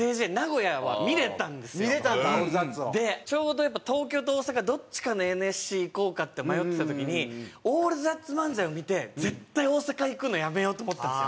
でちょうどやっぱ東京と大阪どっちかのＮＳＣ行こうかって迷ってた時に『オールザッツ漫才』を見て絶対大阪行くのやめようって思ったんですよ。